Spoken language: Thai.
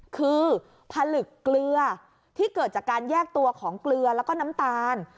คือผลึกเกลือที่เกิดจากการแยกตัวของเกลือแล้วก็น้ำตาล